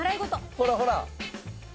ほらほら！